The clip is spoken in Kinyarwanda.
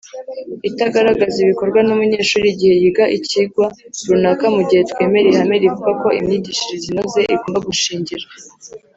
itagaragazaga ibikorwa n’umunyeshuri igihe yiga icyigwa runaka mu gihe twemera ihame rivuga ko imyigishirize inoze igomba gushingira